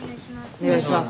お願いします。